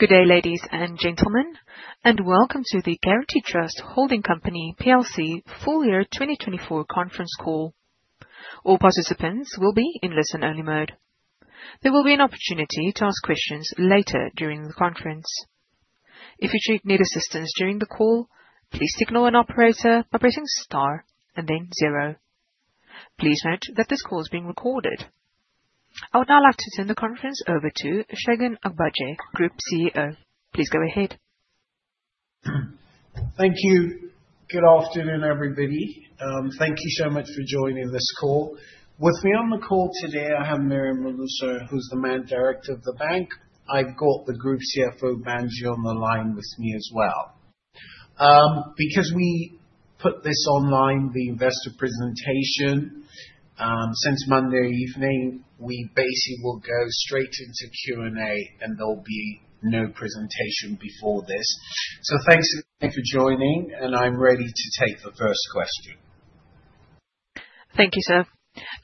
Good day, ladies and gentlemen, and welcome to the Guaranty Trust Holding Company full year 2024 conference call. All participants will be in listen-only mode. There will be an opportunity to ask questions later during the conference. If you do need assistance during the call, please signal an operator by pressing star and then zero. Please note that this call is being recorded. I would now like to turn the conference over to Segun Agbaje, Group CEO. Please go ahead. Thank you. Good afternoon, everybody. Thank you so much for joining this call. With me on the call today, I have Miriam Olusanya, who's the Managing Director of the Bank. I've got the Group CFO, Banji Adeniyi, on the line with me as well. Because we put this online, the investor presentation, since Monday evening, we basically will go straight into Q&A, and there'll be no presentation before this. Thank you again for joining, and I'm ready to take the first question. Thank you, sir.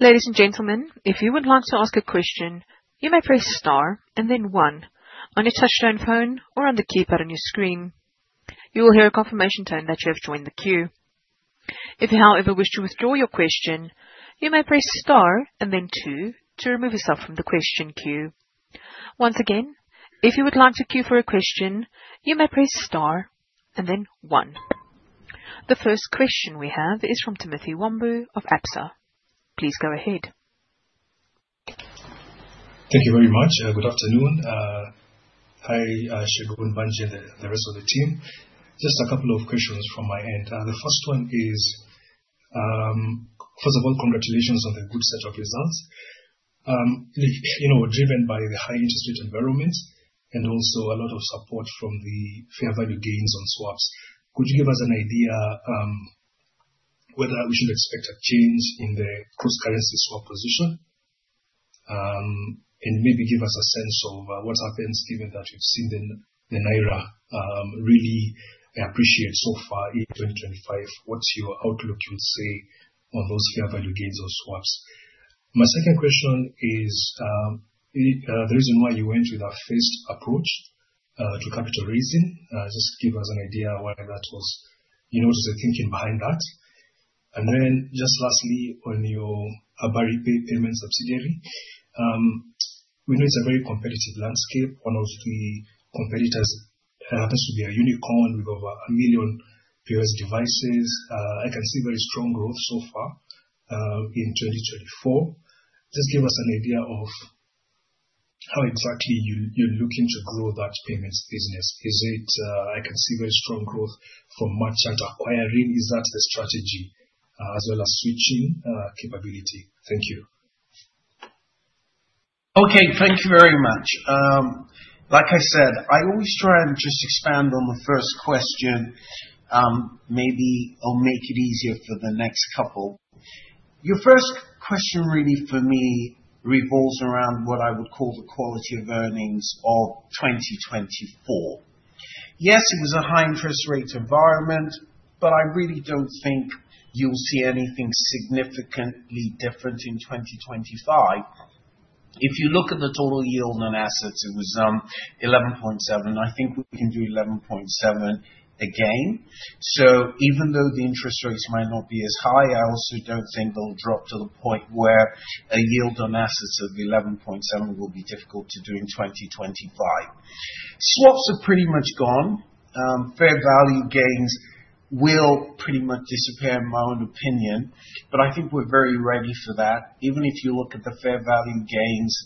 Ladies and gentlemen, if you would like to ask a question, you may press star and then one on your touchstone phone or on the keypad on your screen. You will hear a confirmation tone that you have joined the queue. If you, however, wish to withdraw your question, you may press star and then two to remove yourself from the question queue. Once again, if you would like to queue for a question, you may press star and then one. The first question we have is from Timothy Wambu of ABSA. Please go ahead. Thank you very much. Good afternoon. Hi, Segun, Banji, and the rest of the team. Just a couple of questions from my end. The first one is, first of all, congratulations on the good set of results. Driven by the high interest rate environment and also a lot of support from the fair value gains on swaps, could you give us an idea whether we should expect a change in the cross-currency swap position? Maybe give us a sense of what happens given that we have seen the Naira really appreciate so far in 2025. What is your outlook, you would say, on those fair value gains on swaps? My second question is the reason why you went with a phased approach to capital raising. Just give us an idea why that was. What is the thinking behind that? Lastly, on your HabariPay payment subsidiary, we know it's a very competitive landscape. One of the competitors happens to be a unicorn with over 1 million POS devices. I can see very strong growth so far in 2024. Just give us an idea of how exactly you're looking to grow that payments business. Is it, I can see very strong growth from merchant acquiring? Is that the strategy, as well as switching capability? Thank you. Okay, thank you very much. Like I said, I always try and just expand on the first question. Maybe I'll make it easier for the next couple. Your first question really for me revolves around what I would call the quality of earnings of 2024. Yes, it was a high interest rate environment, but I really don't think you'll see anything significantly different in 2025. If you look at the total yield on assets, it was 11.7%. I think we can do 11.7% again. Even though the interest rates might not be as high, I also don't think they'll drop to the point where a yield on assets of 11.7% will be difficult to do in 2025. Swaps are pretty much gone. Fair value gains will pretty much disappear, in my own opinion, but I think we're very ready for that. Even if you look at the fair value gains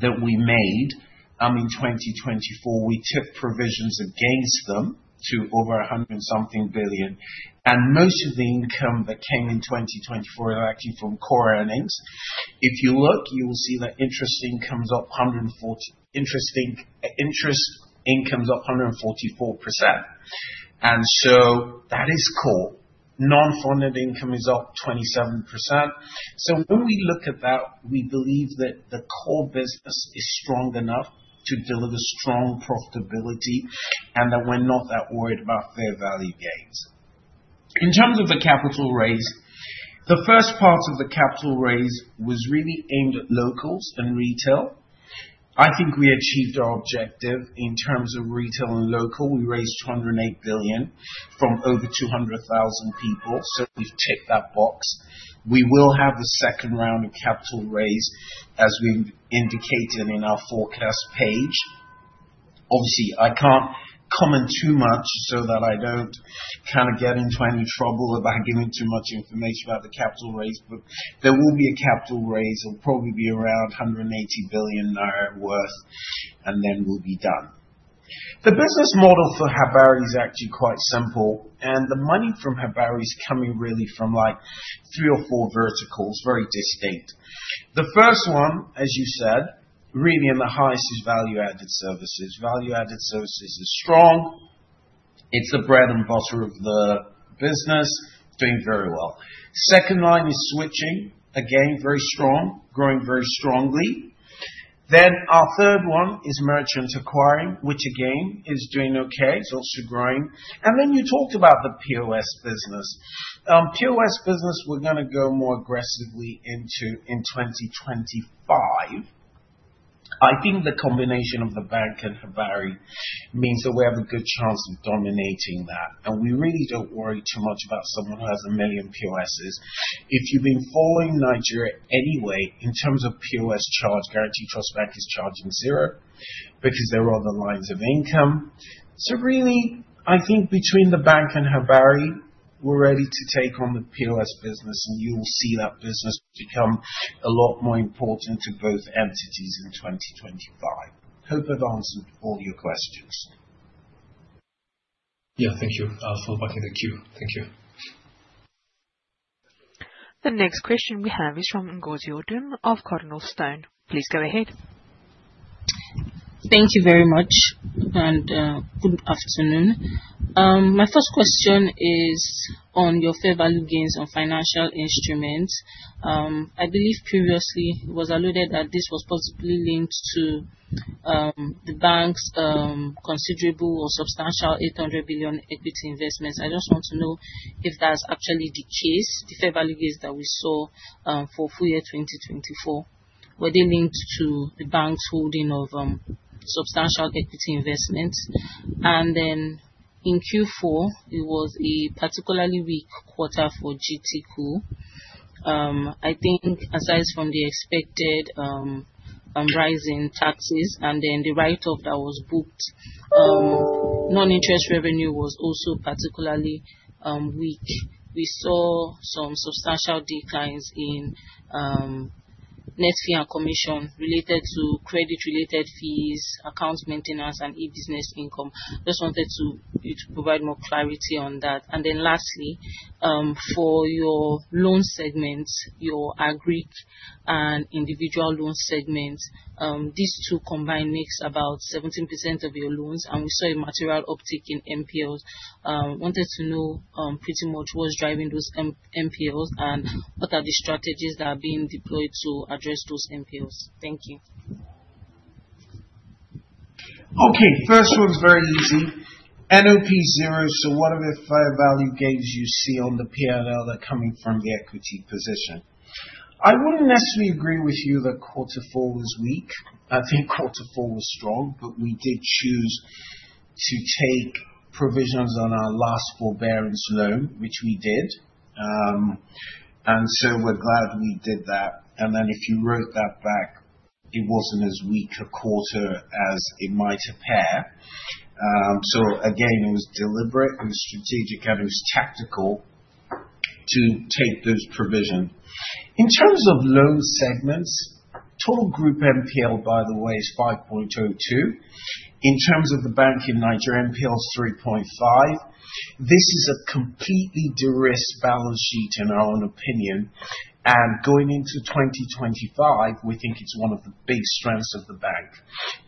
that we made in 2024, we tipped provisions against them to over 100 billion something. Most of the income that came in 2024 is actually from core earnings. If you look, you will see that interest income is up, interest income is up 144%. That is core. Non-funded income is up 27%. When we look at that, we believe that the core business is strong enough to deliver strong profitability and that we're not that worried about fair value gains. In terms of the capital raise, the first part of the capital raise was really aimed at locals and retail. I think we achieved our objective in terms of retail and local. We raised 208 billion from over 200,000 people. We have ticked that box. We will have the second round of capital raise, as we've indicated in our forecast page. Obviously, I can't comment too much so that I don't kind of get into any trouble about giving too much information about the capital raise, but there will be a capital raise. It'll probably be around 180 billion naira worth, and then we'll be done. The business model for Habari is actually quite simple, and the money from Habari is coming really from like three or four verticals, very distinct. The first one, as you said, really in the highest, is value-added services. Value-added services is strong. It's the bread and butter of the business, doing very well. Second line is switching, again, very strong, growing very strongly. Our third one is merchant acquiring, which again is doing okay. It's also growing. You talked about the POS business. POS business, we're going to go more aggressively into in 2025. I think the combination of the bank and Habari means that we have a good chance of dominating that. We really do not worry too much about someone who has 1 million POSes. If you've been following Nigeria anyway, in terms of POS charge, Guaranty Trust Bank is charging zero because there are other lines of income. I think between the bank and Habari, we're ready to take on the POS business, and you will see that business become a lot more important to both entities in 2025. Hope I've answered all your questions. Yeah, thank you. I'll fall back in the queue. Thank you. The next question we have is from Ngozi Odum of CardinalStone. Please go ahead. Thank you very much, and good afternoon. My first question is on your fair value gains on financial instruments. I believe previously it was alluded that this was possibly linked to the bank's considerable or substantial 800 billion equity investments. I just want to know if that's actually the case. The fair value gains that we saw for full year 2024, were they linked to the bank's holding of substantial equity investments? In Q4, it was a particularly weak quarter for GTCO. I think aside from the expected rising taxes and then the write-off that was booked, non-interest revenue was also particularly weak. We saw some substantial declines in net fee and commission related to credit-related fees, account maintenance, and e-business income. Just wanted to provide more clarity on that. Lastly, for your loan segments, your aggregate and individual loan segments, these two combined make about 17% of your loans, and we saw a material uptick in NPLs. Wanted to know pretty much what's driving those NPLs and what are the strategies that are being deployed to address those NPLs. Thank you. Okay, first one's very easy. NOP zero. So what are the fair value gains you see on the P&L that are coming from the equity position? I wouldn't necessarily agree with you that quarter four was weak. I think quarter four was strong, but we did choose to take provisions on our last forbearance loan, which we did. We are glad we did that. If you wrote that back, it wasn't as weak a quarter as it might appear. It was deliberate, it was strategic, and it was tactical to take those provisions. In terms of loan segments, total group NPL, by the way, is 5.02%. In terms of the bank in Nigeria, NPL is 3.5%. This is a completely de-risked balance sheet, in our own opinion. Going into 2025, we think it's one of the big strengths of the bank.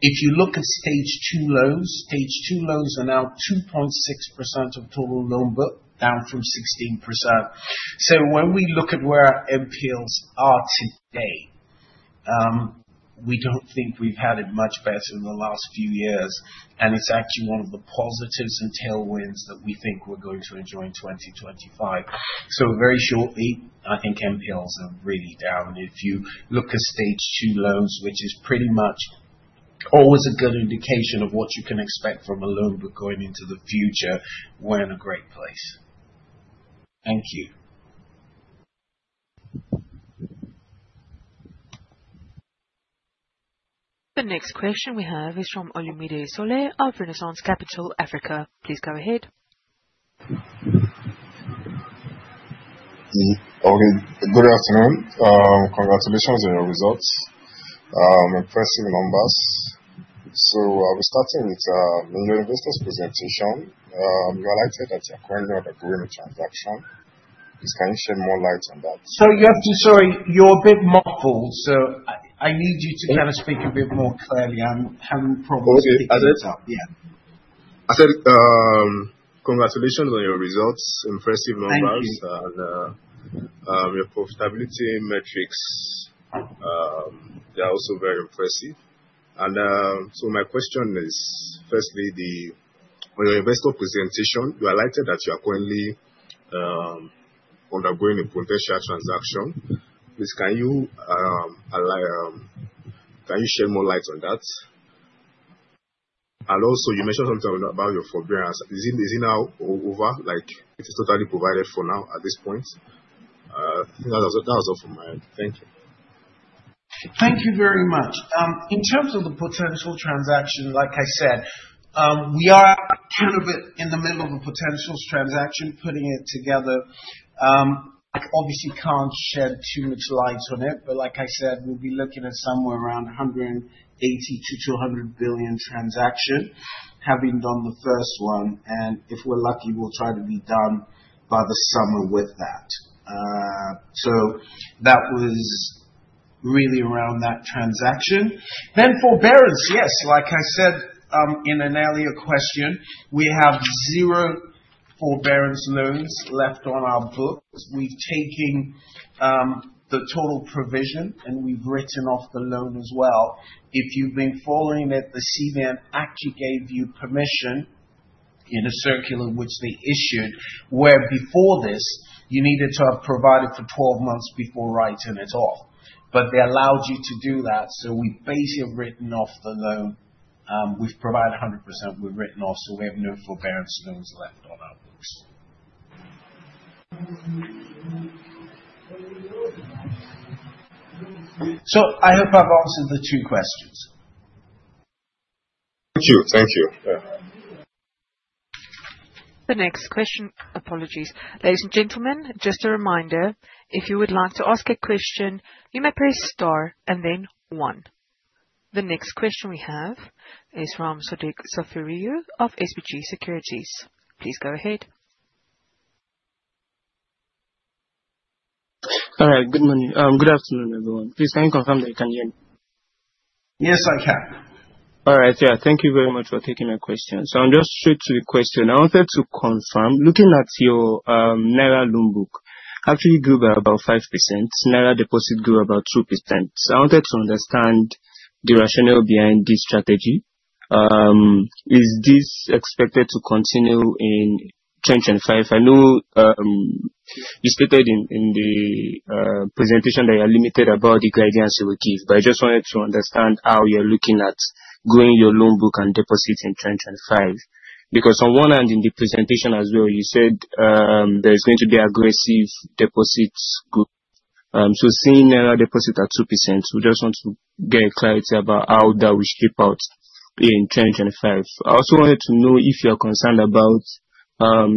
If you look at stage two loans, stage two loans are now 2.6% of total loan book, down from 16%. When we look at where NPLs are today, we don't think we've had it much better in the last few years. It's actually one of the positives and tailwinds that we think we're going to enjoy in 2025. Very shortly, I think NPLs are really down. If you look at stage two loans, which is pretty much always a good indication of what you can expect from a loan book going into the future, we're in a great place. Thank you. The next question we have is from Olumide Sole of Renaissance Capital Africa. Please go ahead. Good afternoon. Congratulations on your results. Impressive numbers. We are starting with your investors' presentation. You are likely that you're currently on a green transaction. Can you shed more light on that? Sorry, you're a bit muffled, so I need you to kind of speak a bit more clearly. I'm having problems speaking myself. I said congratulations on your results. Impressive numbers. Your profitability metrics, they are also very impressive. My question is, firstly, on your investor presentation, you are likely that you are currently undergoing a potential transaction. Can you shed more light on that? You mentioned something about your forbearance. Is it now over? It is totally provided for now at this point. That was all from my end. Thank you. Thank you very much. In terms of the potential transaction, like I said, we are kind of in the middle of a potential transaction, putting it together. I obviously can't shed too much light on it, but like I said, we'll be looking at somewhere around 180 billion-200 billion transaction, having done the first one. If we're lucky, we'll try to be done by the summer with that. That was really around that transaction. Forbearance, yes. Like I said in an earlier question, we have zero forbearance loans left on our books. We've taken the total provision, and we've written off the loan as well. If you've been following it, the CBN actually gave you permission in a circular which they issued, where before this, you needed to have provided for 12 months before writing it off. They allowed you to do that. We have basically written off the loan. We have provided 100%. We have written off. We have no forbearance loans left on our books. I hope I have answered the two questions. Thank you. Thank you. The next question. Apologies. Ladies and gentlemen, just a reminder, if you would like to ask a question, you may press star and then one. The next question we have is from Sadiq Saferio of SBG Securities. Please go ahead. All right. Good afternoon, everyone. Please can you confirm that you can hear me? Yes, I can. All right. Yeah. Thank you very much for taking my question. I'm just straight to the question. I wanted to confirm, looking at your Naira loan book, actually grew by about 5%. Naira deposit grew about 2%. I wanted to understand the rationale behind this strategy. Is this expected to continue in 2025? I know you stated in the presentation that you're limited about the guidance you will give, but I just wanted to understand how you're looking at growing your loan book and deposit in 2025. Because on one hand, in the presentation as well, you said there's going to be aggressive deposits. Seeing Naira deposit at 2%, we just want to get clarity about how that will shape out in 2025. I also wanted to know if you're concerned about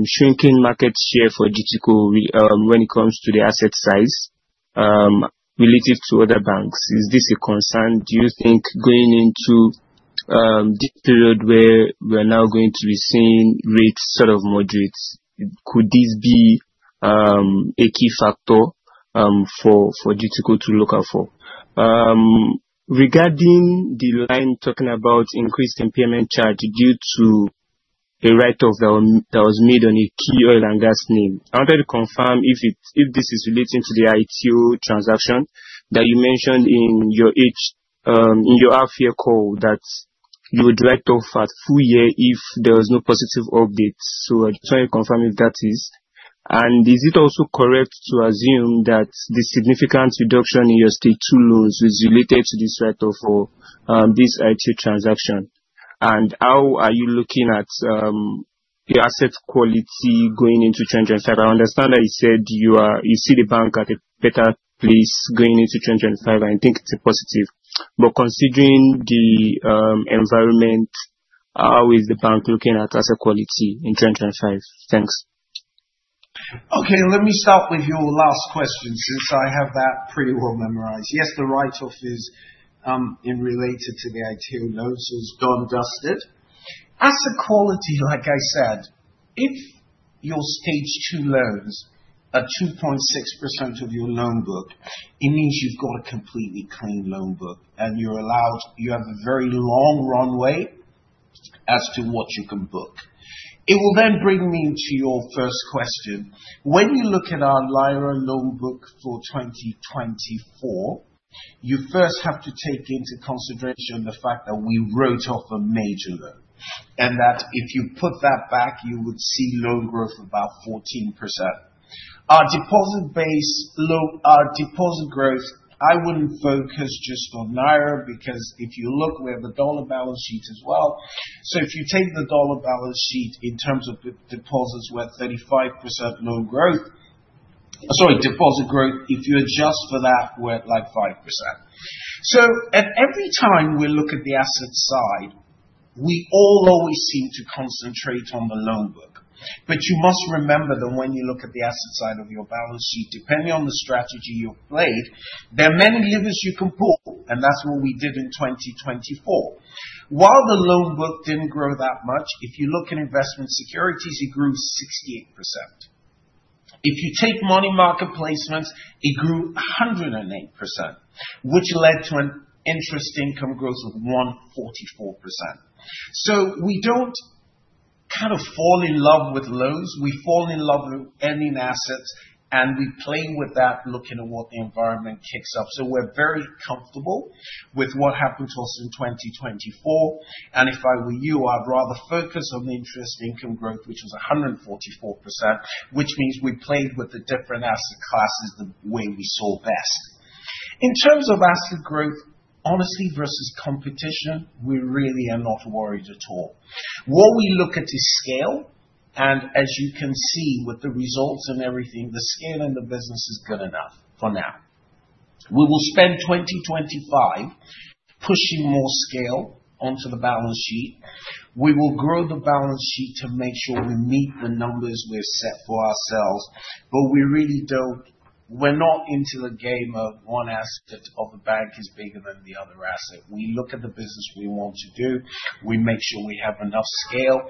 shrinking market share for GTCO when it comes to the asset size related to other banks. Is this a concern? Do you think going into this period where we're now going to be seeing rates sort of moderate, could this be a key factor for GTCO to look out for? Regarding the line talking about increased impairment charge due to a write-off that was made on a key oil and gas name, I wanted to confirm if this is relating to the Aiteo transaction that you mentioned in your half-year call that you would write off at full year if there was no positive updates. I just want to confirm if that is. Is it also correct to assume that the significant reduction in your stage two loans was related to this write-off or this Aiteo transaction? How are you looking at your asset quality going into 2025? I understand that you said you see the bank at a better place going into 2025, and I think it's a positive. Considering the environment, how is the bank looking at asset quality in 2025? Thanks. Okay. Let me start with your last question since I have that pretty well memorized. Yes, the write-off is related to the Aiteo loans, so it's gone dusted. Asset quality, like I said, if your stage two loans are 2.6% of your loan book, it means you've got a completely clean loan book, and you have a very long runway as to what you can book. It will then bring me to your first question. When you look at our Naira loan book for 2024, you first have to take into consideration the fact that we wrote off a major loan, and that if you put that back, you would see loan growth of about 14%. Our deposit growth, I wouldn't focus just on Naira because if you look, we have a dollar balance sheet as well. If you take the dollar balance sheet in terms of deposits, we're 35% loan growth. Sorry, deposit growth, if you adjust for that, we're at like 5%. At every time we look at the asset side, we always seem to concentrate on the loan book. You must remember that when you look at the asset side of your balance sheet, depending on the strategy you've played, there are many levers you can pull, and that's what we did in 2024. While the loan book didn't grow that much, if you look at investment securities, it grew 68%. If you take money market placements, it grew 108%, which led to an interest income growth of 144%. We don't kind of fall in love with loans. We fall in love with earning assets, and we play with that, looking at what the environment kicks up. We're very comfortable with what happened to us in 2024. If I were you, I'd rather focus on the interest income growth, which was 144%, which means we played with the different asset classes the way we saw best. In terms of asset growth, honestly, versus competition, we really are not worried at all. What we look at is scale. As you can see with the results and everything, the scale in the business is good enough for now. We will spend 2025 pushing more scale onto the balance sheet. We will grow the balance sheet to make sure we meet the numbers we've set for ourselves. We're not into the game of one asset of the bank is bigger than the other asset. We look at the business we want to do. We make sure we have enough scale.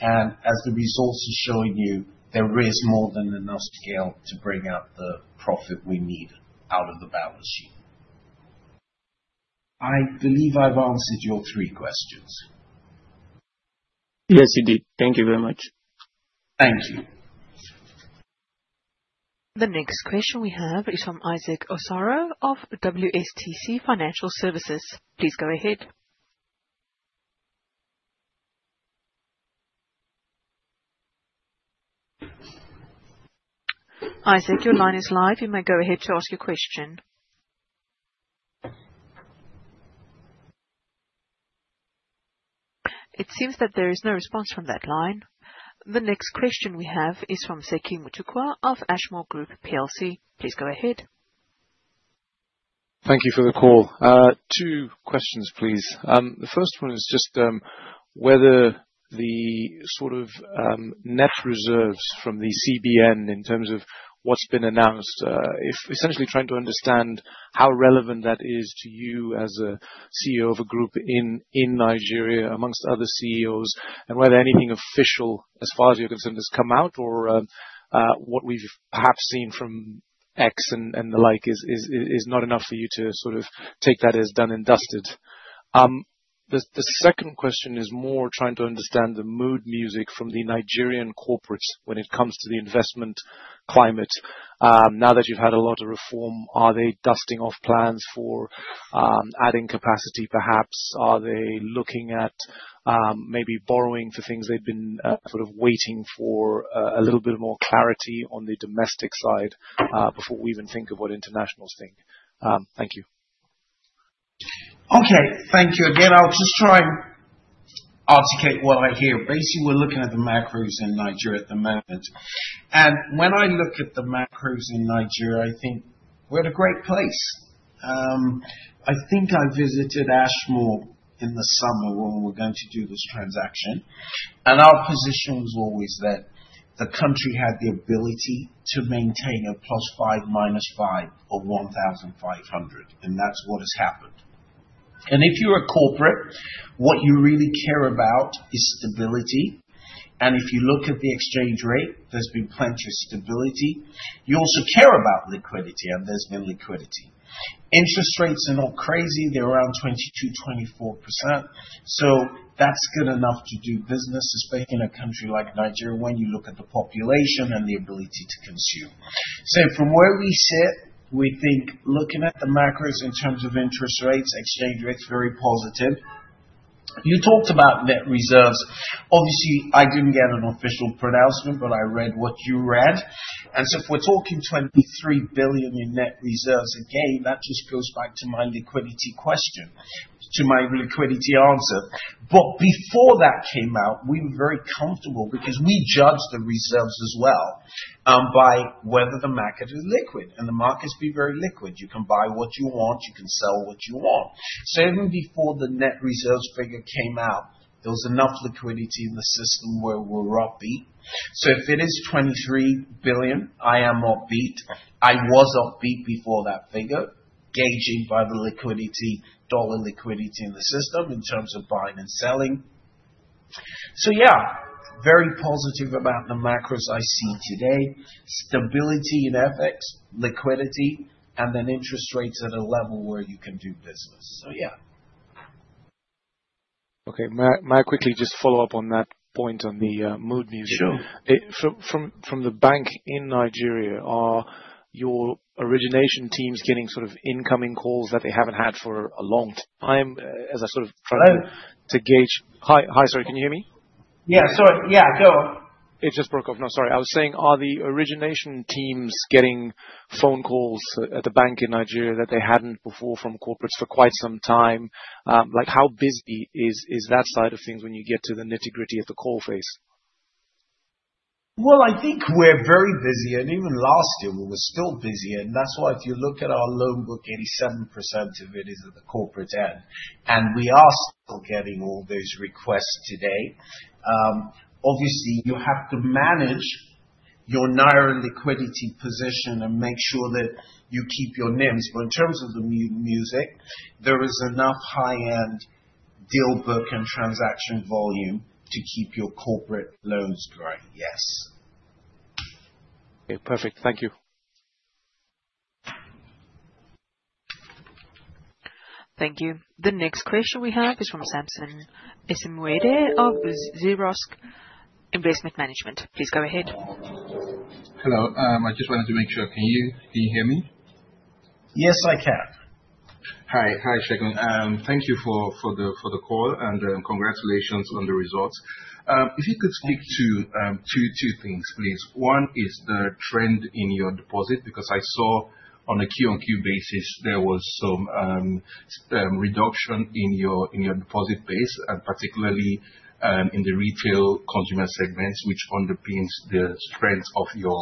As the results are showing you, there is more than enough scale to bring out the profit we need out of the balance sheet. I believe I've answered your three questions. Yes, you did. Thank you very much. Thank you. The next question we have is from Isaac Osaro of WSTC Financial Services. Please go ahead. Isaac, your line is live. You may go ahead to ask your question. It seems that there is no response from that line. The next question we have is from Seki Mutukwa of Ashmore Group PLC. Please go ahead. Thank you for the call. Two questions, please. The first one is just whether the sort of net reserves from the CBN in terms of what's been announced, essentially trying to understand how relevant that is to you as a CEO of a group in Nigeria, amongst other CEOs, and whether anything official, as far as you're concerned, has come out or what we've perhaps seen from X and the like is not enough for you to sort of take that as done and dusted. The second question is more trying to understand the mood music from the Nigerian corporates when it comes to the investment climate. Now that you've had a lot of reform, are they dusting off plans for adding capacity, perhaps? Are they looking at maybe borrowing for things they've been sort of waiting for a little bit more clarity on the domestic side before we even think of what internationals think? Thank you. Okay. Thank you again. I'll just try and articulate what I hear. Basically, we're looking at the macros in Nigeria at the moment. When I look at the macros in Nigeria, I think we're at a great place. I think I visited Ashmore in the summer when we were going to do this transaction. Our position was always that the country had the ability to maintain a +5, -5, or 1,500. That's what has happened. If you're a corporate, what you really care about is stability. If you look at the exchange rate, there's been plenty of stability. You also care about liquidity, and there's been liquidity. Interest rates are not crazy. They're around 22%-24%. That's good enough to do business, especially in a country like Nigeria when you look at the population and the ability to consume. From where we sit, we think looking at the macros in terms of interest rates, exchange rates, very positive. You talked about net reserves. Obviously, I did not get an official pronouncement, but I read what you read. If we are talking 23 billion in net reserves again, that just goes back to my liquidity question, to my liquidity answer. Before that came out, we were very comfortable because we judged the reserves as well by whether the market is liquid. The market has been very liquid. You can buy what you want. You can sell what you want. Even before the net reserves figure came out, there was enough liquidity in the system where we were upbeat. If it is 23 billion, I am upbeat. I was upbeat before that figure, gauging by the liquidity, dollar liquidity in the system in terms of buying and selling. Yeah, very positive about the macros I see today. Stability in FX, liquidity, and then interest rates at a level where you can do business. Yeah. Okay. May I quickly just follow up on that point on the mood music? Sure. From the bank in Nigeria, are your origination teams getting sort of incoming calls that they haven't had for a long time? As I sort of try to gauge, hi, sorry. Can you hear me? Yeah. Sorry. Yeah. Go. It just broke off. No, sorry. I was saying, are the origination teams getting phone calls at the bank in Nigeria that they hadn't before from corporates for quite some time? How busy is that side of things when you get to the nitty-gritty of the call phase? I think we're very busy. Even last year, we were still busy. If you look at our loan book, 87% of it is at the corporate end. We are still getting all those requests today. Obviously, you have to manage your Naira liquidity position and make sure that you keep your NIMs. In terms of the music, there is enough high-end deal book and transaction volume to keep your corporate loans growing. Yes. Okay. Perfect. Thank you. Thank you. The next question we have is from Samson Esemuede of Zrosk Investment Management. Please go ahead. Hello. I just wanted to make sure. Can you hear me? Yes, I can. Hi. Hi, Segun. Thank you for the call, and congratulations on the results. If you could speak to two things, please. One is the trend in your deposit because I saw on a key-on-key basis, there was some reduction in your deposit base, and particularly in the retail consumer segments, which underpins the strength of your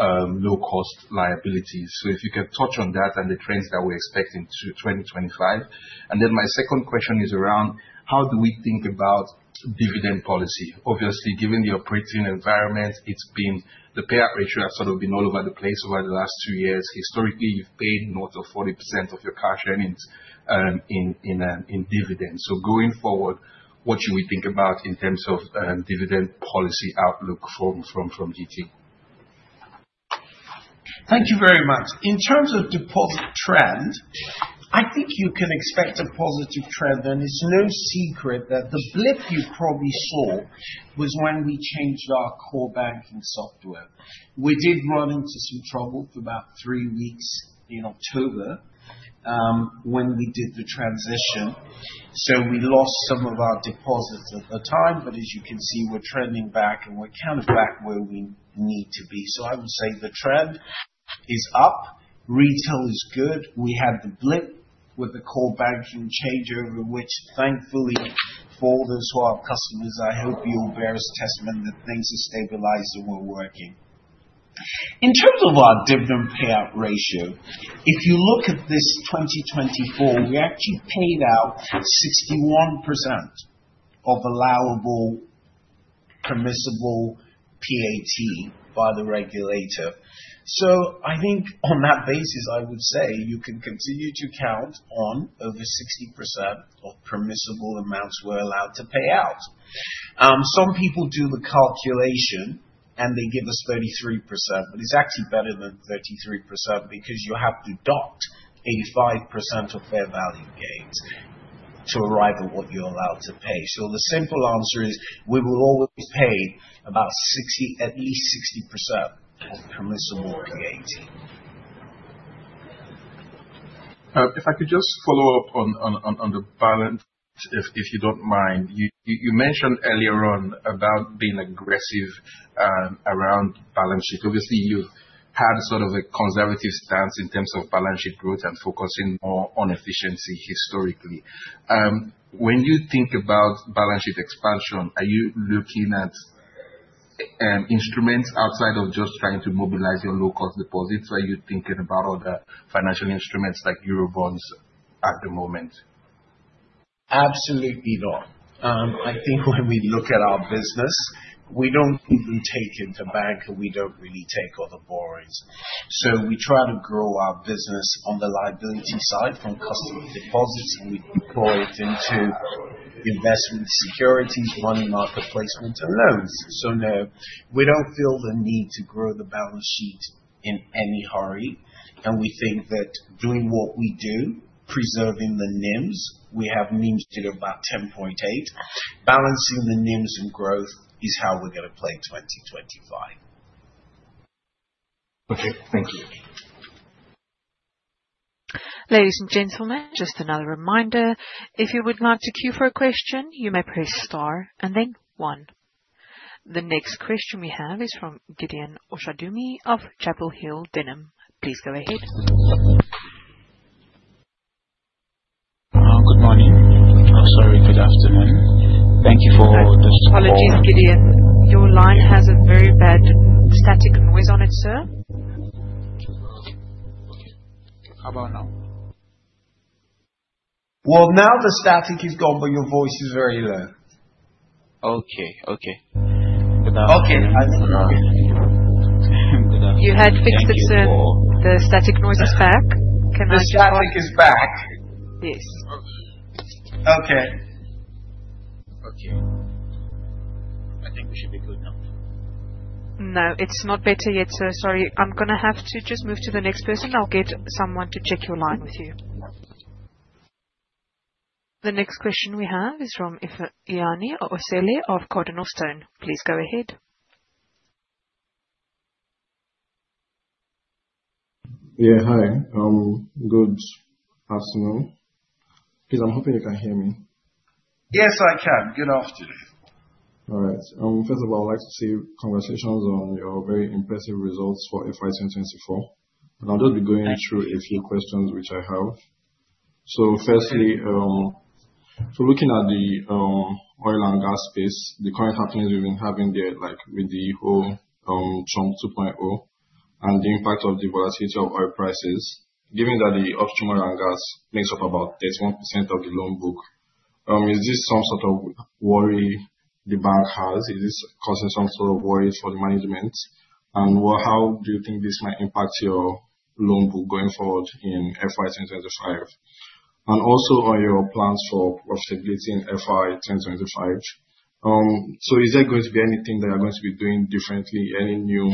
low-cost liabilities. If you can touch on that and the trends that we're expecting through 2025. My second question is around how do we think about dividend policy? Obviously, given the operating environment, the payout ratio has sort of been all over the place over the last two years. Historically, you've paid north of 40% of your cash earnings in dividends. Going forward, what should we think about in terms of dividend policy outlook from GT? Thank you very much. In terms of deposit trend, I think you can expect a positive trend. It is no secret that the blip you probably saw was when we changed our core banking software. We did run into some trouble for about three weeks in October when we did the transition. We lost some of our deposits at the time. As you can see, we are trending back, and we are kind of back where we need to be. I would say the trend is up. Retail is good. We had the blip with the core banking changeover, which, thankfully for those who are customers, I hope you will bear as testament that things have stabilized and we are working. In terms of our dividend payout ratio, if you look at this 2024, we actually paid out 61% of allowable permissible PAT by the regulator. I think on that basis, I would say you can continue to count on over 60% of permissible amounts we're allowed to pay out. Some people do the calculation, and they give us 33%. It is actually better than 33% because you have to dot 85% of fair value gains to arrive at what you're allowed to pay. The simple answer is we will always pay about at least 60% of permissible PAT. If I could just follow up on the balance, if you don't mind. You mentioned earlier on about being aggressive around balance sheet. Obviously, you've had sort of a conservative stance in terms of balance sheet growth and focusing more on efficiency historically. When you think about balance sheet expansion, are you looking at instruments outside of just trying to mobilize your low-cost deposits? Are you thinking about other financial instruments like Eurobonds at the moment? Absolutely not. I think when we look at our business, we don't even take into bank and we don't really take other borrowings. We try to grow our business on the liability side from customer deposits, and we deploy it into investment securities, money market placement, and loans. No, we don't feel the need to grow the balance sheet in any hurry. We think that doing what we do, preserving the NIMs, we have NIMs at about 10.8%. Balancing the NIMs and growth is how we're going to play 2025. Okay. Thank you. Ladies and gentlemen, just another reminder. If you would like to queue for a question, you may press star and then one. The next question we have is from Gideon Oshadumi of Chapel Hill Denham. Please go ahead. Good morning. Sorry, good afternoon. Thank you for the. Apologies, Gideon. Your line has a very bad static noise on it, sir. How about now? Now the static is gone, but your voice is very low. Okay. Okay. Good afternoon. You had fixed it, sir. The static noise is back. Can I? The static is back. Yes. Okay. Okay. I think we should be good now. No, it's not better yet, sir. Sorry. I'm going to have to just move to the next person. I'll get someone to check your line with you. The next question we have is from Ifeanyi Osele of CardinalStone. Please go ahead. Yeah. Hi. Good afternoon. Gideon, I'm hoping you can hear me. Yes, I can. Good afternoon. All right. First of all, I'd like to say congratulations on your very impressive results for FY 2024. I'll just be going through a few questions which I have. Firstly, for looking at the oil and gas space, the current happenings we've been having there with the whole Trump 2.0 and the impact of the volatility of oil prices, given that the upstream oil and gas makes up about 31% of the loan book, is this some sort of worry the bank has? Is this causing some sort of worries for the management? How do you think this might impact your loan book going forward in FY 2025? Also, on your plans for profitability in FY 2025, is there going to be anything that you're going to be doing differently, any new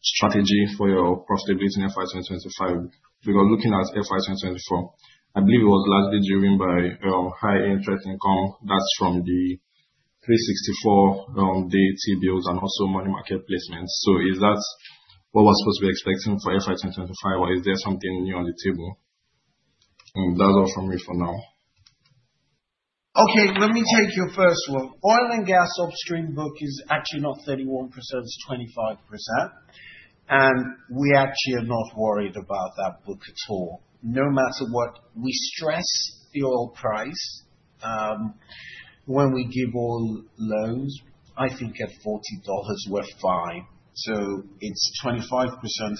strategy for your profitability in FY 2025? Because looking at FY 2024, I believe it was largely driven by high interest income. That is from the 364-day T-Bills and also money market placements. Is that what we are supposed to be expecting for FY 2025, or is there something new on the table? That is all from me for now. Okay. Let me take your first one. Oil and gas upstream book is actually not 31%. It's 25%. And we actually are not worried about that book at all. No matter what, we stress the oil price. When we give all loans, I think at $40, we're fine. So it's 25%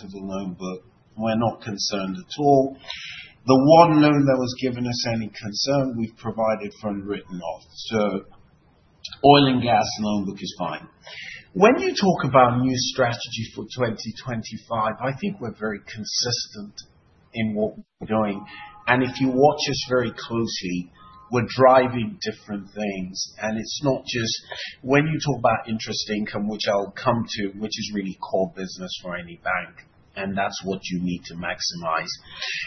of the loan book. We're not concerned at all. The one loan that was giving us any concern, we've provided for and written off. So oil and gas loan book is fine. When you talk about new strategy for 2025, I think we're very consistent in what we're doing. If you watch us very closely, we're driving different things. It's not just when you talk about interest income, which I'll come to, which is really core business for any bank. That's what you need to maximize.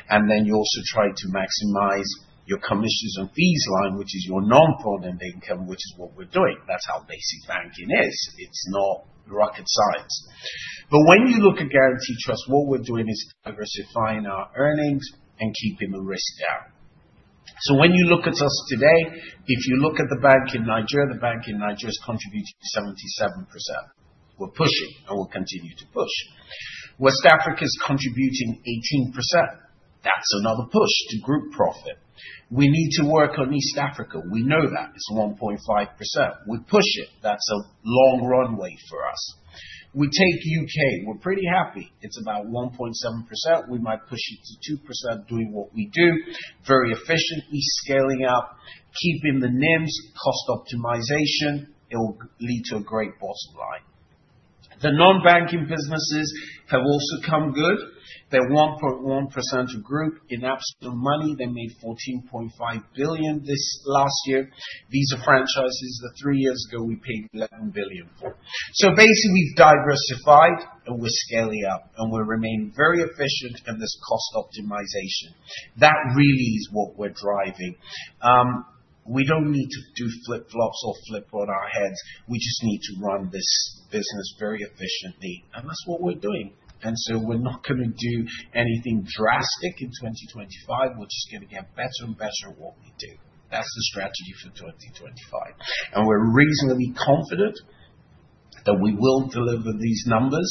You also try to maximize your commissions and fees line, which is your non-funded income, which is what we're doing. That's how basic banking is. It's not rocket science. When you look at Guaranty Trust, what we're doing is aggressifying our earnings and keeping the risk down. When you look at us today, if you look at the bank in Nigeria, the bank in Nigeria is contributing 77%. We're pushing, and we'll continue to push. West Africa is contributing 18%. That's another push to group profit. We need to work on East Africa. We know that it's 1.5%. We push it. That's a long runway for us. We take U.K. We're pretty happy. It's about 1.7%. We might push it to 2%, doing what we do, very efficiently, scaling up, keeping the NIMs, cost optimization. It will lead to a great bottom line. The non-banking businesses have also come good. They're 1.1% of group in absolute money. They made 14.5 billion this last year. Visa franchises, the three years ago, we paid 11 billion for. Basically, we've diversified, and we're scaling up, and we're remaining very efficient in this cost optimization. That really is what we're driving. We don't need to do flip-flops or flip on our heads. We just need to run this business very efficiently. That's what we're doing. We're not going to do anything drastic in 2025. We're just going to get better and better at what we do. That's the strategy for 2025. We're reasonably confident that we will deliver these numbers.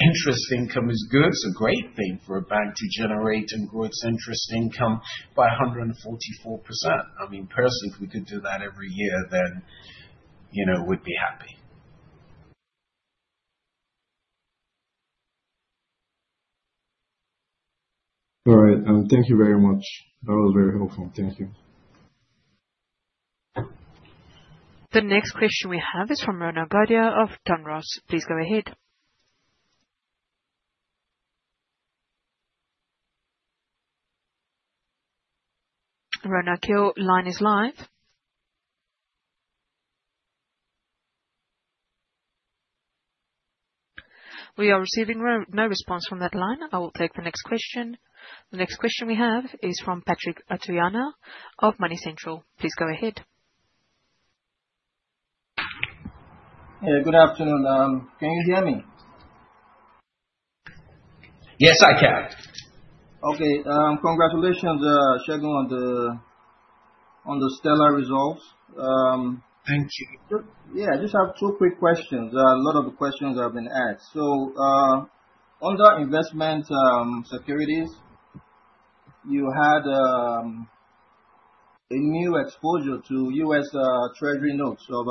Interest income is good. It's a great thing for a bank to generate and grow its interest income by 144%. I mean, personally, if we could do that every year, then we'd be happy. All right. Thank you very much. That was very helpful. Thank you. The next question we have is from Ronald Gadia of Dunross. Please go ahead. Ronald, your line is live. We are receiving no response from that line. I will take the next question. The next question we have is from Patrick Atuanya of MoneyCentral. Please go ahead. Good afternoon. Can you hear me? Yes, I can. Okay. Congratulations, Segun, on the stellar results. Thank you. Yeah. I just have two quick questions. A lot of the questions have been asked. On the investment securities, you had a new exposure to NGN 248 billion in U.S. Treasury notes. That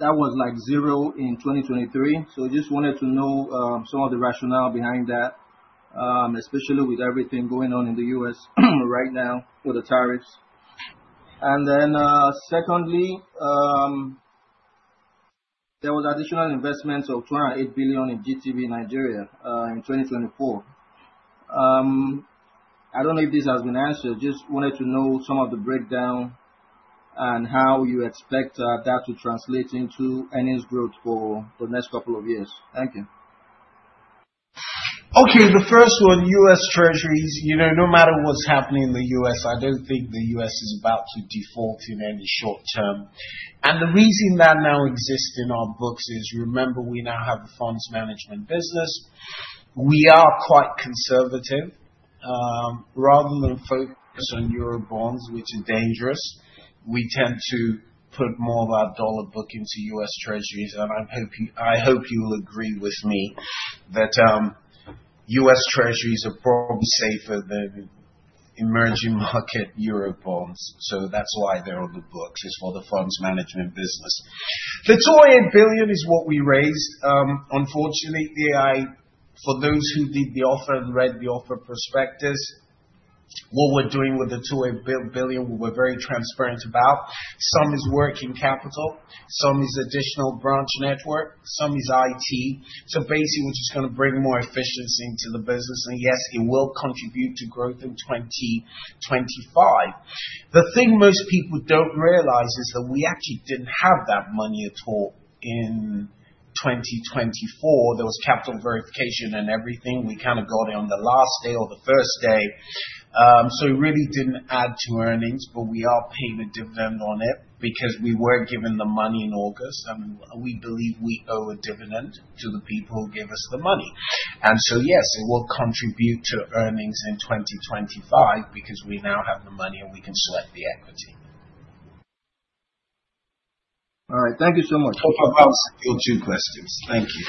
was like zero in 2023. I just wanted to know some of the rationale behind that, especially with everything going on in the U.S. right now with the tariffs. Secondly, there was additional investment of 208 billion in GTB Nigeria in 2024. I don't know if this has been answered. Just wanted to know some of the breakdown and how you expect that to translate into earnings growth for the next couple of years. Thank you. Okay. The first one, U.S. Treasuries, no matter what's happening in the U.S., I don't think the U.S. is about to default in any short term. The reason that now exists in our books is, remember, we now have a funds management business. We are quite conservative. Rather than focus on Eurobonds, which is dangerous, we tend to put more of our dollar book into U.S. Treasuries. I hope you will agree with me that U.S. Treasuries are probably safer than emerging market Eurobonds. That's why they're on the books, is for the funds management business. The 208 billion is what we raised. Unfortunately, for those who did the offer and read the offer prospectus, what we're doing with the 208 billion, we're very transparent about. Some is working capital. Some is additional branch network. Some is IT. Basically, we're just going to bring more efficiency into the business. Yes, it will contribute to growth in 2025. The thing most people don't realize is that we actually didn't have that money at all in 2024. There was capital verification and everything. We kind of got it on the last day or the first day. It really didn't add to earnings, but we are paying a dividend on it because we were given the money in August. We believe we owe a dividend to the people who gave us the money. Yes, it will contribute to earnings in 2025 because we now have the money and we can select the equity. All right. Thank you so much. No problem. Two questions. Thank you.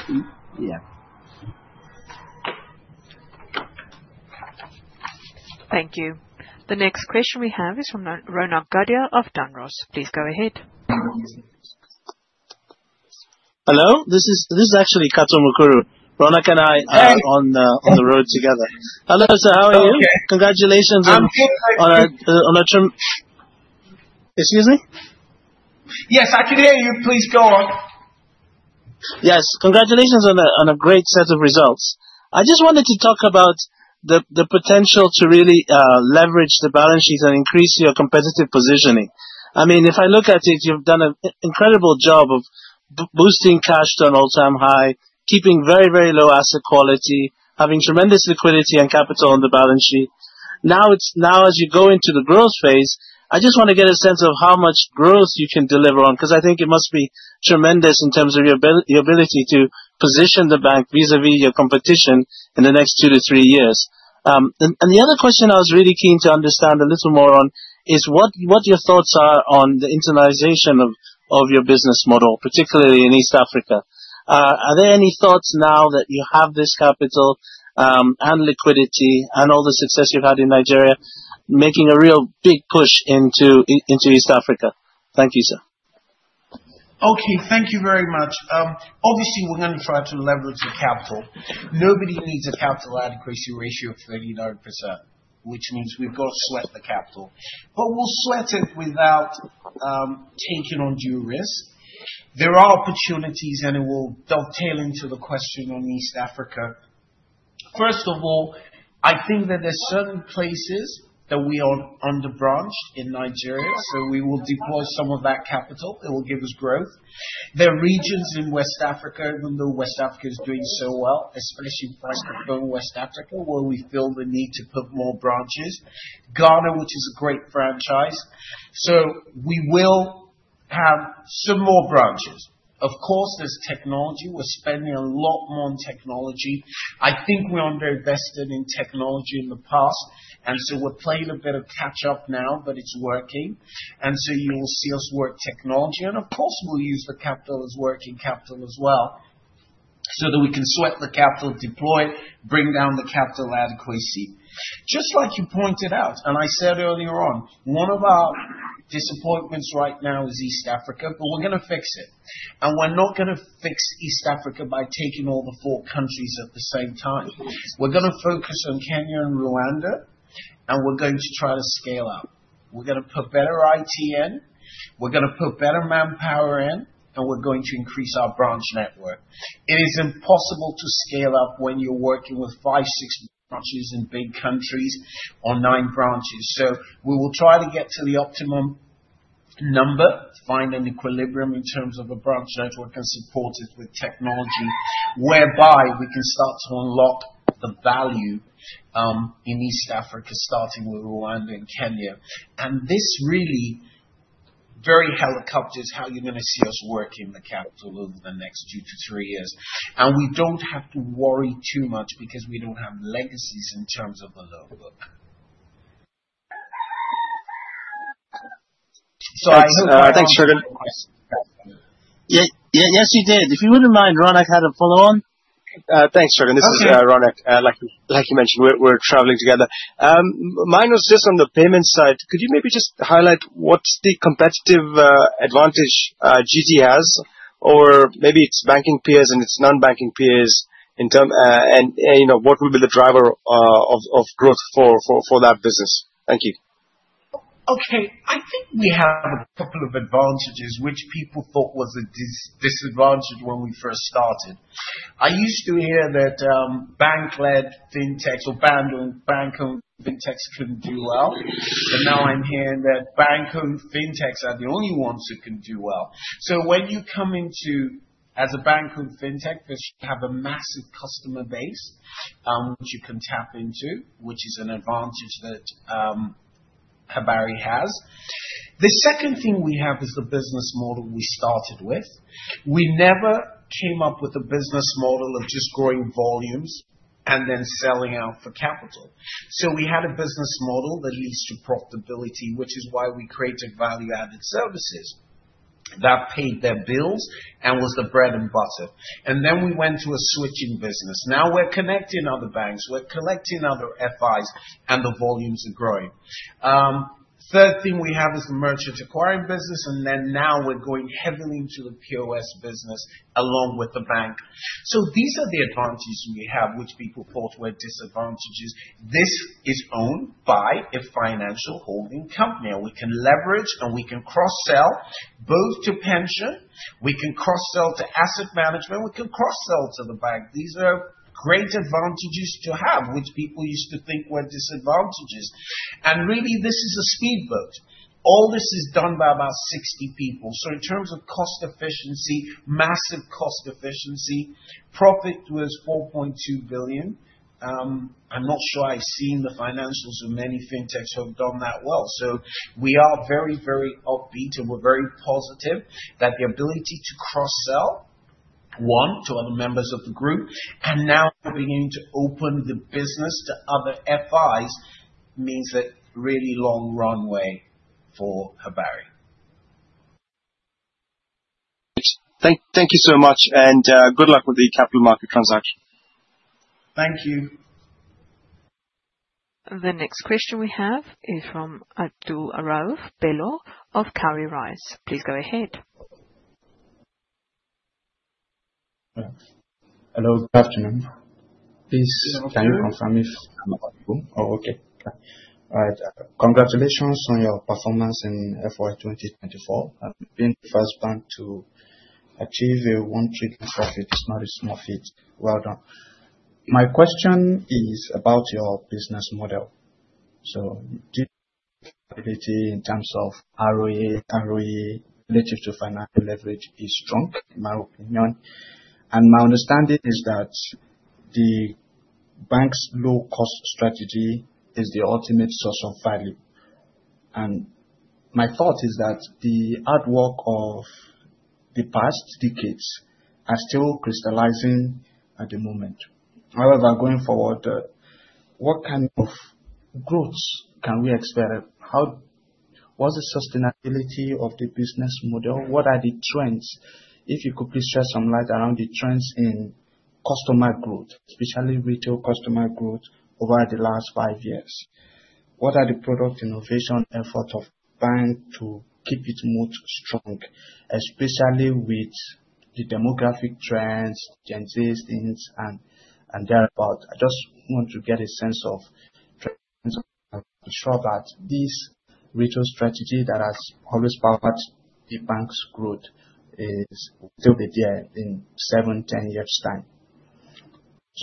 Yeah. Thank you. The next question we have is from Ronak Gadhia of Dunross. Please go ahead. Hello. This is actually Kato Mukuru. Ronak and I are on the road together. Hello, sir. How are you? Okay. Congratulations on a—excuse me? Yes, I can hear you. Please go on. Yes. Congratulations on a great set of results. I just wanted to talk about the potential to really leverage the balance sheet and increase your competitive positioning. I mean, if I look at it, you've done an incredible job of boosting cash to an all-time high, keeping very, very low asset quality, having tremendous liquidity and capital on the balance sheet. Now, as you go into the growth phase, I just want to get a sense of how much growth you can deliver on because I think it must be tremendous in terms of your ability to position the bank vis-à-vis your competition in the next two to three years. The other question I was really keen to understand a little more on is what your thoughts are on the internalization of your business model, particularly in East Africa. Are there any thoughts now that you have this capital and liquidity and all the success you've had in Nigeria making a real big push into East Africa? Thank you, sir. Okay. Thank you very much. Obviously, we're going to try to leverage the capital. Nobody needs a capital adequacy ratio of 39%, which means we've got to sweat the capital. We'll sweat it without taking on due risk. There are opportunities, and it will dovetail into the question on East Africa. First of all, I think that there are certain places that we are underbranched in Nigeria, so we will deploy some of that capital. It will give us growth. There are regions in West Africa, even though West Africa is doing so well, especially Price Control West Africa, where we feel the need to put more branches. Ghana, which is a great franchise. We will have some more branches. Of course, there's technology. We're spending a lot more on technology. I think we aren't very vested in technology in the past. We are playing a bit of catch-up now, but it is working. You will see us work technology. Of course, we will use the capital as working capital as well so that we can sweat the capital, deploy it, and bring down the capital adequacy. Just like you pointed out, and I said earlier on, one of our disappointments right now is East Africa, but we are going to fix it. We are not going to fix East Africa by taking all the four countries at the same time. We are going to focus on Kenya and Rwanda, and we are going to try to scale up. We are going to put better IT in. We are going to put better manpower in, and we are going to increase our branch network. It is impossible to scale up when you are working with five or six branches in big countries or nine branches. We will try to get to the optimum number, find an equilibrium in terms of a branch network and support it with technology, whereby we can start to unlock the value in East Africa, starting with Rwanda and Kenya. This really very helicopters how you're going to see us working the capital over the next two to three years. We don't have to worry too much because we don't have legacies in terms of the loan book. I hope I— Thanks, Segun. Yes, you did. If you wouldn't mind, Ronak had a follow-on. Thanks, Segun. This is Ronak. Like he mentioned, we're traveling together. Mine was just on the payment side. Could you maybe just highlight what's the competitive advantage GT has? Or maybe its banking peers and its non-banking peers in terms of what will be the driver of growth for that business? Thank you. Okay. I think we have a couple of advantages, which people thought was a disadvantage when we first started. I used to hear that bank-led FinTechs or bank-owned FinTechs could not do well. Now I am hearing that bank-owned FinTechs are the only ones that can do well. When you come in as a bank-owned fintech, you have a massive customer base which you can tap into, which is an advantage that Habari has. The second thing we have is the business model we started with. We never came up with a business model of just growing volumes and then selling out for capital. We had a business model that leads to profitability, which is why we created value-added services that paid their bills and was the bread and butter. Then we went to a switching business. Now we are connecting other banks. We're collecting other FIs, and the volumes are growing. The third thing we have is the merchant acquiring business. Now we're going heavily into the POS business along with the bank. These are the advantages we have, which people thought were disadvantages. This is owned by a financial holding company. We can leverage, and we can cross-sell both to pension. We can cross-sell to asset management. We can cross-sell to the bank. These are great advantages to have, which people used to think were disadvantages. Really, this is a speedboat. All this is done by about 60 people. In terms of cost efficiency, massive cost efficiency, profit was 4.2 billion. I'm not sure I've seen the financials of many FinTechs who have done that well. We are very, very upbeat, and we are very positive that the ability to cross-sell, one, to other members of the group, and now beginning to open the business to other FIs means a really long runway for Habari. Thank you so much. Good luck with the capital market transaction. Thank you. The next question we have is from Abdulrauf Bello of Cowrywise. Please go ahead. Hello. Good afternoon. Please, can you confirm if—oh, okay. All right. Congratulations on your performance in FY 2024. You've been the first bank to achieve a 13% profit. It's not a small feat. Well done. My question is about your business model. In terms of ROE, ROE relative to financial leverage is strong, in my opinion. My understanding is that the bank's low-cost strategy is the ultimate source of value. My thought is that the hard work of the past decades is still crystallizing at the moment. However, going forward, what kind of growth can we expect? What's the sustainability of the business model? What are the trends? If you could please shed some light around the trends in customer growth, especially retail customer growth over the last five years. What are the product innovation efforts of the bank to keep it more strong, especially with the demographic trends, Gen Z things, and thereabouts? I just want to get a sense of trends to ensure that this retail strategy that has always powered the bank's growth is still there in 7, 10 years' time.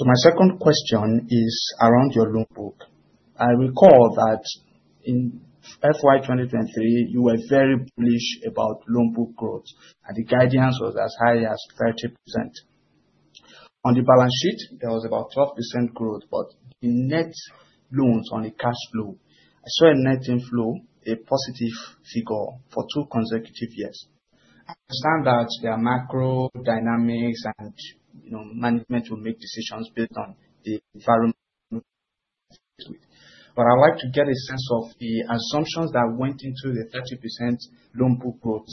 My second question is around your loan book. I recall that in FY 2023, you were very bullish about loan book growth, and the guidance was as high as 30%. On the balance sheet, there was about 12% growth, but the net loans on the cash flow, I saw a net inflow, a positive figure for two consecutive years. I understand that there are macro dynamics, and management will make decisions based on the environment. I would like to get a sense of the assumptions that went into the 30% loan book growth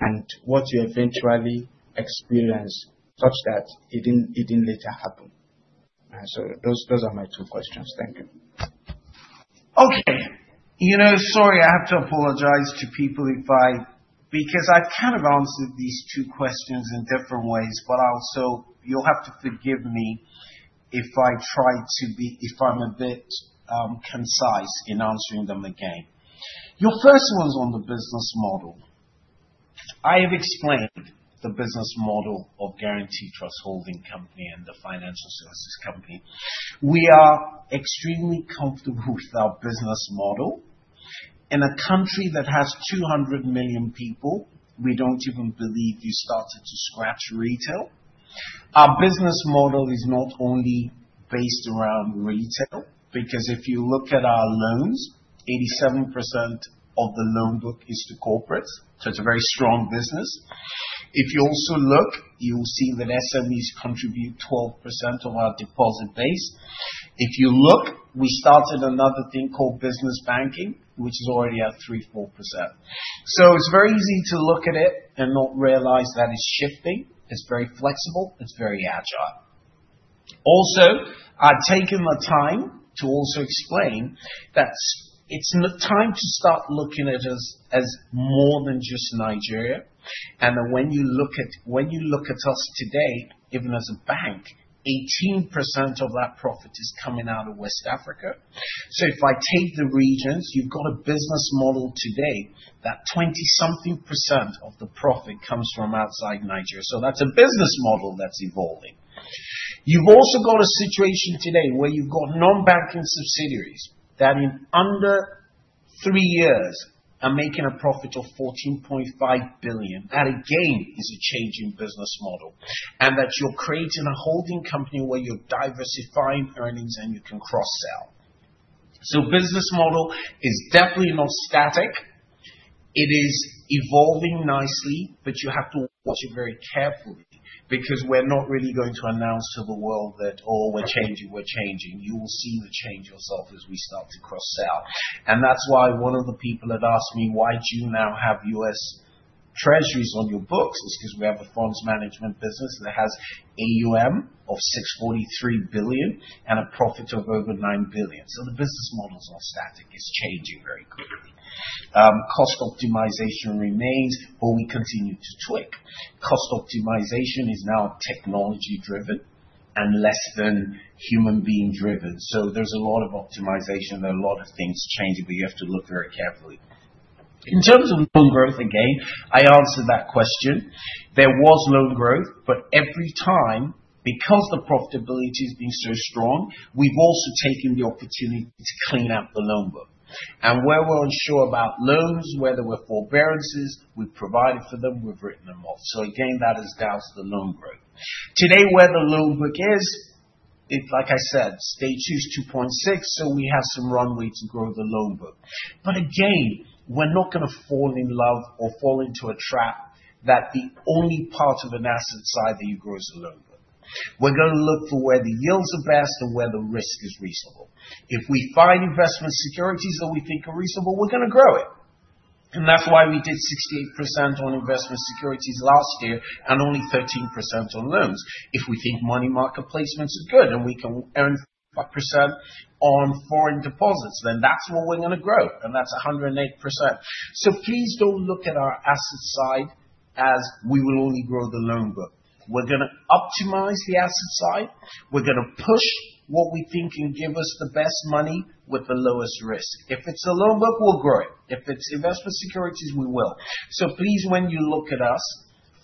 and what you eventually experienced such that it did not later happen. Those are my two questions. Thank you. Okay. Sorry, I have to apologize to people if I—because I've kind of answered these two questions in different ways, but also you'll have to forgive me if I try to be—if I'm a bit concise in answering them again. Your first one's on the business model. I have explained the business model of Guaranty Trust Holding Company and the financial services company. We are extremely comfortable with our business model. In a country that has 200 million people, we don't even believe you've started to scratch retail. Our business model is not only based around retail because if you look at our loans, 87% of the loan book is to corporates. So it's a very strong business. If you also look, you'll see that SMEs contribute 12% of our deposit base. If you look, we started another thing called business banking, which is already at 3-4%. It's very easy to look at it and not realize that it's shifting. It's very flexible. It's very agile. Also, I've taken the time to also explain that it's time to start looking at it as more than just Nigeria. When you look at us today, even as a bank, 18% of that profit is coming out of West Africa. If I take the regions, you've got a business model today that 20-something % of the profit comes from outside Nigeria. That's a business model that's evolving. You've also got a situation today where you've got non-banking subsidiaries that in under three years are making a profit of 14.5 billion. That again is a changing business model. You're creating a holding company where you're diversifying earnings and you can cross-sell. Business model is definitely not static. It is evolving nicely, but you have to watch it very carefully because we're not really going to announce to the world that, "Oh, we're changing. We're changing." You will see the change yourself as we start to cross-sell. That is why one of the people had asked me, "Why do you now have U.S. treasuries on your books?" It's because we have a funds management business that has AUM of 643 billion and a profit of over 9 billion. The business model's not static. It's changing very quickly. Cost optimization remains, but we continue to tweak. Cost optimization is now technology-driven and less than human-being-driven. There is a lot of optimization and a lot of things changing, but you have to look very carefully. In terms of loan growth, again, I answered that question. There was loan growth, but every time, because the profitability has been so strong, we've also taken the opportunity to clean up the loan book. Where we're unsure about loans, whether we're forbearances, we've provided for them, we've written them off. That has doused the loan growth. Today, where the loan book is, like I said, stage two is 2.6%, so we have some runway to grow the loan book. We're not going to fall in love or fall into a trap that the only part of an asset side that you grow is a loan book. We're going to look for where the yields are best and where the risk is reasonable. If we find investment securities that we think are reasonable, we're going to grow it. That's why we did 68% on investment securities last year and only 13% on loans. If we think money market placements are good and we can earn 5% on foreign deposits, then that's what we're going to grow. And that's 108%. Please don't look at our asset side as we will only grow the loan book. We're going to optimize the asset side. We're going to push what we think can give us the best money with the lowest risk. If it's a loan book, we'll grow it. If it's investment securities, we will. Please, when you look at us,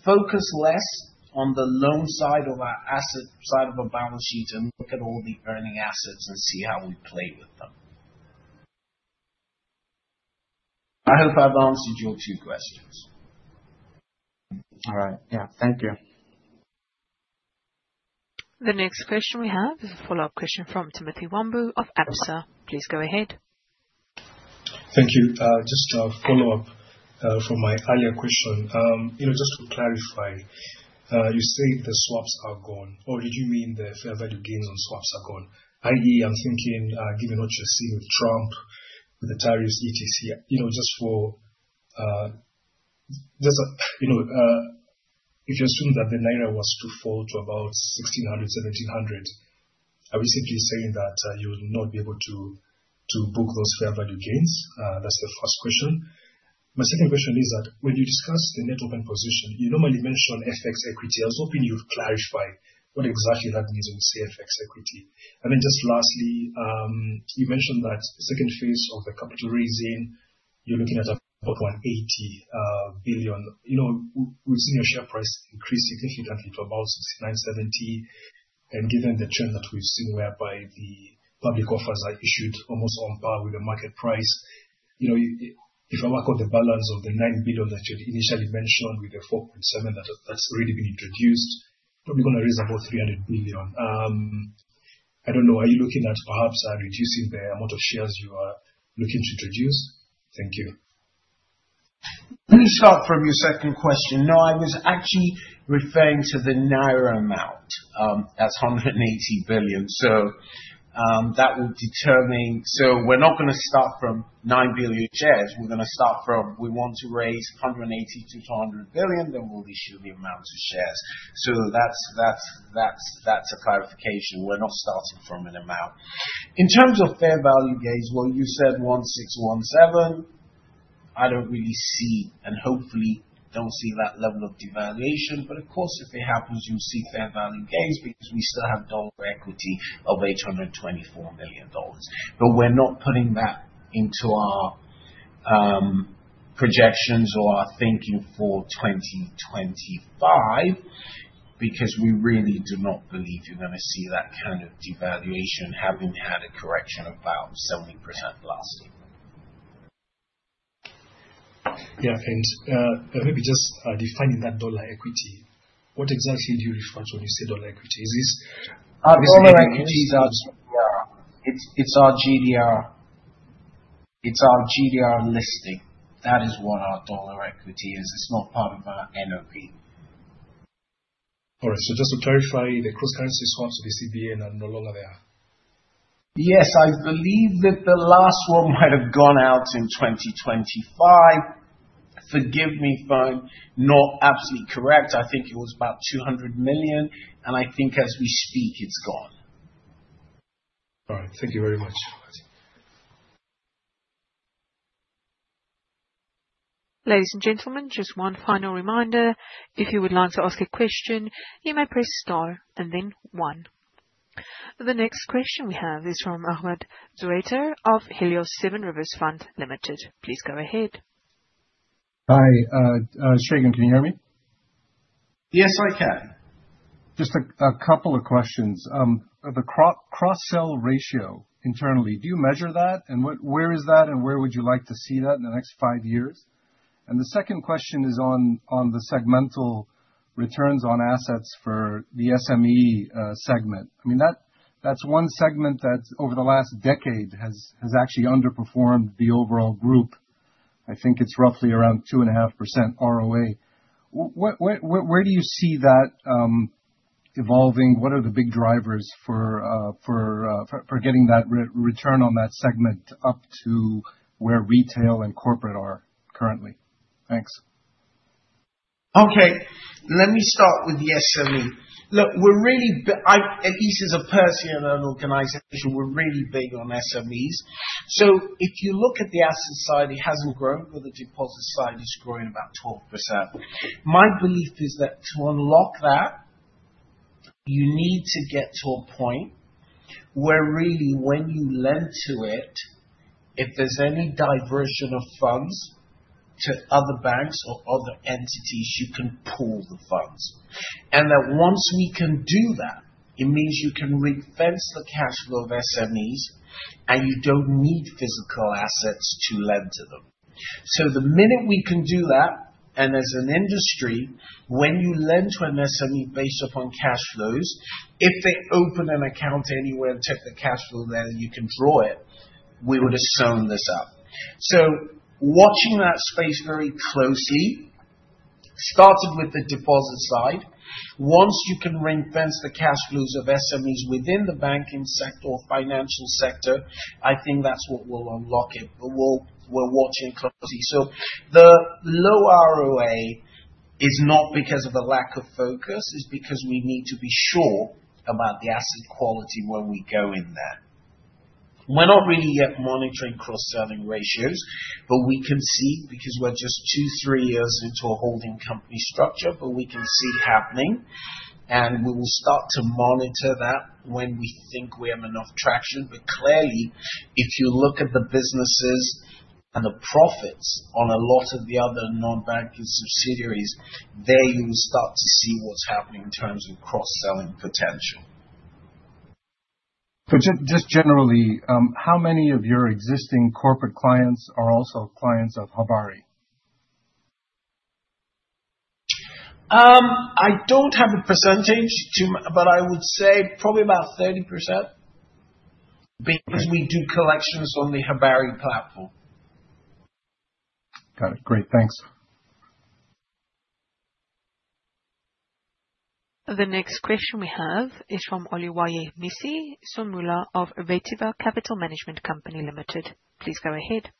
focus less on the loan side of our asset side of a balance sheet and look at all the earning assets and see how we play with them. I hope I've answered your two questions. All right. Yeah. Thank you. The next question we have is a follow-up question from Timothy Wambu of ABSA. Please go ahead. Thank you. Just a follow-up from my earlier question. Just to clarify, you say the swaps are gone, or did you mean the fair value gains on swaps are gone? IE, I'm thinking, given what you've seen with Trump, with the tariffs, ETC, just for if you assume that the Naira was to fall to about 1,600-1,700, are we simply saying that you will not be able to book those fair value gains? That's the first question. My second question is that when you discuss the net open position, you normally mention FX equity. I was hoping you'd clarify what exactly that means when you say FX equity. And then just lastly, you mentioned that the second phase of the capital raising, you're looking at about 180 billion. We've seen your share price increase significantly to about 69-70. Given the trend that we've seen whereby the public offers are issued almost on par with the market price, if I work out the balance of the 9 billion that you initially mentioned with the 4.7 billion that's already been introduced, you're probably going to raise about 300 billion. I don't know. Are you looking at perhaps reducing the amount of shares you are looking to introduce? Thank you. Let me start from your second question. No, I was actually referring to the 180 billion naira. That will determine, so we're not going to start from 9 billion shares. We're going to start from, we want to raise 180 billion-200 billion, then we'll issue the amount of shares. That's a clarification. We're not starting from an amount. In terms of fair value gains, you said 16-17. I don't really see and hopefully don't see that level of devaluation. Of course, if it happens, you'll see fair value gains because we still have dollar equity of $824 million. We're not putting that into our projections or our thinking for 2025 because we really do not believe you're going to see that kind of devaluation having had a correction of about 70% last year. Yeah, thanks. Maybe just defining that dollar equity. What exactly do you refer to when you say dollar equity? Is this? Dollar equity is our GDR. It's our GDR listing. That is what our dollar equity is. It's not part of our NOP. All right. Just to clarify, the cross-currency swaps with the CBN are no longer there? Yes. I believe that the last one might have gone out in 2025. Forgive me, fine. Not absolutely correct. I think it was about $200 million. And I think as we speak, it's gone. All right. Thank you very much. Ladies and gentlemen, just one final reminder. If you would like to ask a question, you may press star and then one. The next question we have is from Ahmad Zuaiter of Helios Seven Rivers Fund Ltd. Please go ahead. Hi, Segun, can you hear me? Yes, I can. Just a couple of questions. The cross-sell ratio internally, do you measure that? Where is that? Where would you like to see that in the next five years? The second question is on the segmental returns on assets for the SME segment. I mean, that's one segment that over the last decade has actually underperformed the overall group. I think it's roughly around 2.5% ROA. Where do you see that evolving? What are the big drivers for getting that return on that segment up to where retail and corporate are currently? Thanks. Okay. Let me start with the SME. Look, we're really big, at least as a person and an organization, we're really big on SMEs. If you look at the asset side, it hasn't grown, but the deposit side is growing about 12%. My belief is that to unlock that, you need to get to a point where really when you lend to it, if there's any diversion of funds to other banks or other entities, you can pull the funds. Once we can do that, it means you can reinvent the cash flow of SMEs, and you don't need physical assets to lend to them. The minute we can do that, and as an industry, when you lend to an SME based upon cash flows, if they open an account anywhere and take the cash flow there, you can draw it, we would have sewn this up. Watching that space very closely, started with the deposit side. Once you can reinvent the cash flows of SMEs within the banking sector or financial sector, I think that's what will unlock it. We're watching closely. The low ROA is not because of a lack of focus. It's because we need to be sure about the asset quality when we go in there. We're not really yet monitoring cross-selling ratios, but we can see because we're just two, three years into a holding company structure, but we can see happening. We will start to monitor that when we think we have enough traction. Clearly, if you look at the businesses and the profits on a lot of the other non-banking subsidiaries, there you will start to see what's happening in terms of cross-selling potential. Just generally, how many of your existing corporate clients are also clients of Habari? I don't have a percentage, but I would say probably about 30% because we do collections on the Habari platform. Got it. Great. Thanks. The next question we have is from Oluwayemisi Sunmola of Vetiva Capital Management Company Ltd. Please go ahead.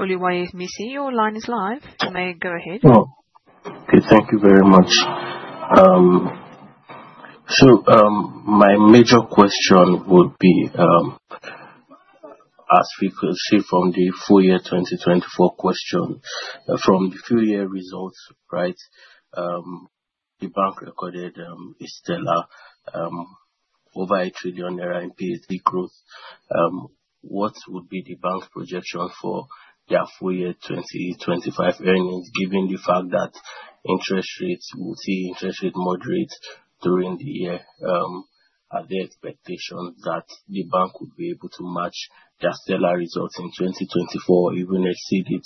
Oluwayemisi, your line is live. You may go ahead. Hello. Thank you very much. My major question would be, as we could see from the full year 2024 question, from the full year results, right, the bank recorded still over 1 trillion naira in PBT growth. What would be the bank's projection for their full year 2025 earnings, given the fact that interest rates will see interest rates moderate during the year? Are the expectations that the bank would be able to match their stellar results in 2024, even exceed it?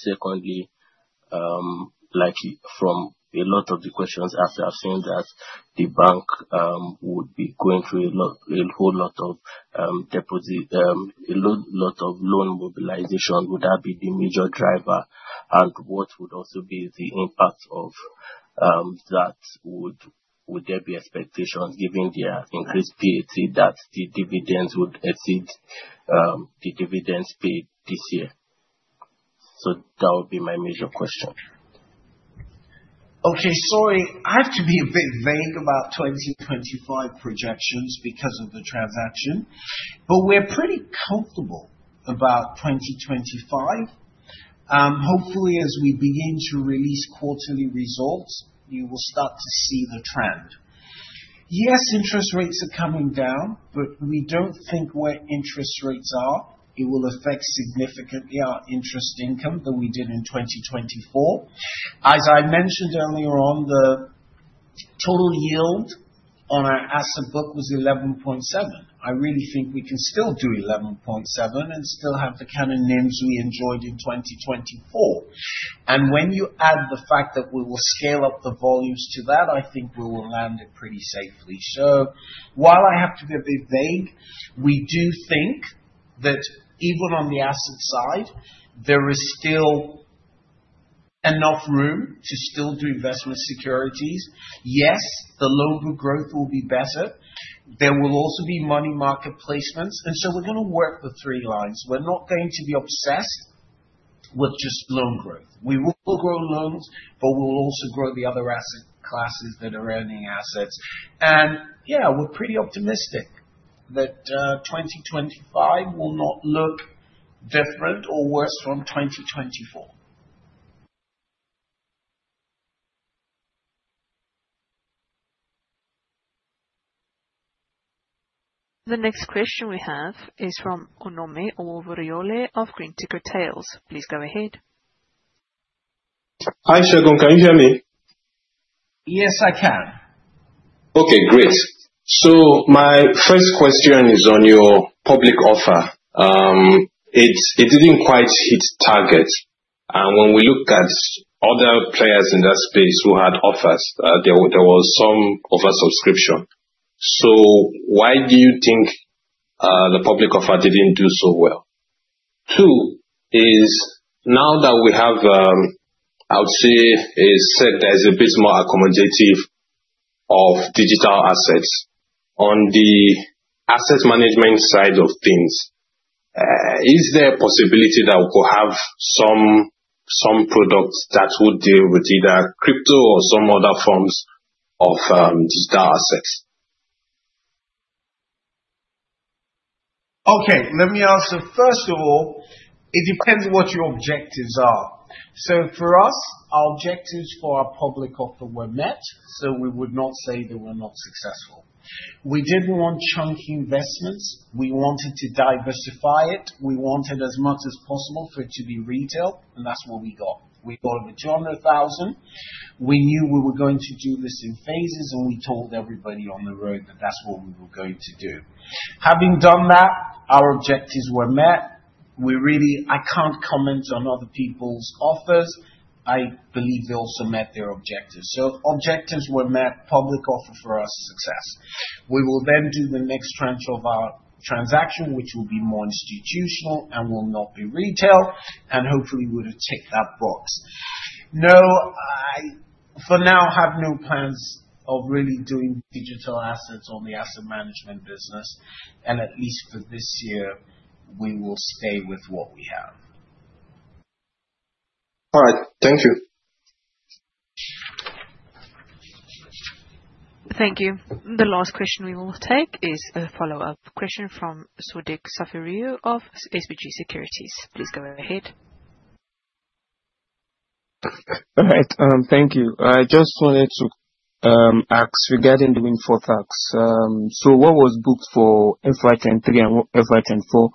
Secondly, like from a lot of the questions after, I've seen that the bank would be going through a whole lot of deposit, a lot of loan mobilization. Would that be the major driver? What would also be the impact of that? Would there be expectations given the increased PAT that the dividends would exceed the dividends paid this year? That would be my major question. Okay. Sorry. I have to be a bit vague about 2025 projections because of the transaction. We are pretty comfortable about 2025. Hopefully, as we begin to release quarterly results, you will start to see the trend. Yes, interest rates are coming down, but we do not think where interest rates are will affect significantly our interest income that we did in 2024. As I mentioned earlier on, the total yield on our asset book was 11.7. I really think we can still do 11.7 and still have the kind of names we enjoyed in 2024. When you add the fact that we will scale up the volumes to that, I think we will land it pretty safely. While I have to be a bit vague, we do think that even on the asset side, there is still enough room to still do investment securities. Yes, the loan book growth will be better. There will also be money market placements. We are going to work the three lines. We are not going to be obsessed with just loan growth. We will grow loans, but we will also grow the other asset classes that are earning assets. We are pretty optimistic that 2025 will not look different or worse from 2024. The next question we have is from Onome Ohwovoriole of Green Ticker Tales. Please go ahead. Hi, Segun. Can you hear me? Yes, I can. Okay. Great. My first question is on your public offer. It did not quite hit target. When we look at other players in that space who had offers, there was some over-subscription. Why do you think the public offer did not do so well? Two is now that we have, I would say, a set that is a bit more accommodative of digital assets. On the asset management side of things, is there a possibility that we could have some products that would deal with either crypto or some other forms of digital assets? Okay. Let me answer. First of all, it depends what your objectives are. For us, our objectives for our public offer were met. We would not say that we were not successful. We did not want chunk investments. We wanted to diversify it. We wanted as much as possible for it to be retail. That is what we got. We got a majority of 1,000. We knew we were going to do this in phases, and we told everybody on the road that that is what we were going to do. Having done that, our objectives were met. I cannot comment on other people's offers. I believe they also met their objectives. Objectives were met. Public offer for us, success. We will then do the next tranche of our transaction, which will be more institutional and will not be retail, and hopefully would have ticked that box. No, I for now have no plans of really doing digital assets on the asset management business. At least for this year, we will stay with what we have. All right. Thank you. Thank you. The last question we will take is a follow-up question from Swadik Saferio of SBG Securities. Please go ahead. All right. Thank you. I just wanted to ask regarding the windfall tax. What was booked for FY 2023 and FY 2024?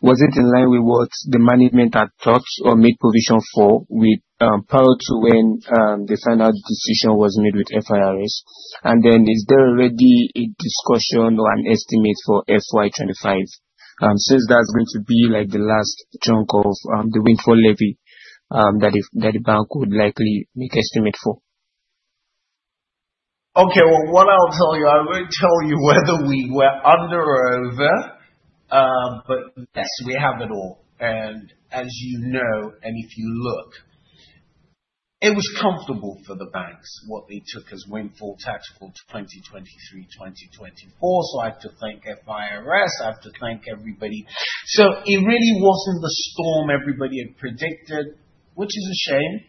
Was it in line with what the management had thought or made provision for prior to when the final decision was made with FIRS? Is there already a discussion or an estimate for FY 2025 since that is going to be like the last chunk of the windfall levy that the bank would likely make estimate for? Okay. What I'll tell you, I won't tell you whether we were under or over, but yes, we have it all. As you know, and if you look, it was comfortable for the banks what they took as windfall tax for 2023, 2024. I have to thank FIRS. I have to thank everybody. It really wasn't the storm everybody had predicted, which is a shame.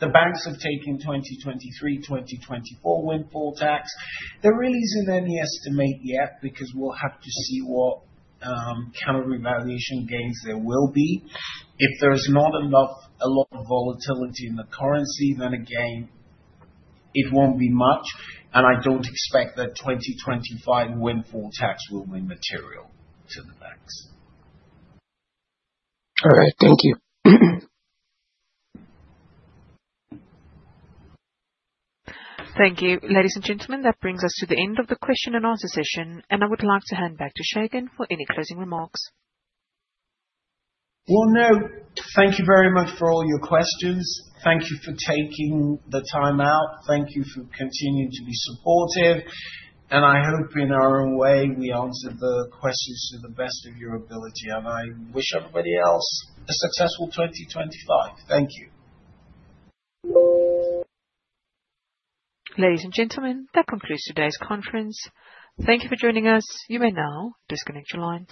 The banks have taken 2023, 2024 windfall tax. There really isn't any estimate yet because we'll have to see what kind of revaluation gains there will be. If there's not a lot of volatility in the currency, then again, it won't be much. I don't expect that 2025 windfall tax will be material to the banks. All right. Thank you. Thank you. Ladies and gentlemen, that brings us to the end of the question and answer session. I would like to hand back to Segun for any closing remarks. Thank you very much for all your questions. Thank you for taking the time out. Thank you for continuing to be supportive. I hope in our own way, we answered the questions to the best of your ability. I wish everybody else a successful 2025. Thank you. Ladies and gentlemen, that concludes today's conference. Thank you for joining us. You may now disconnect your line.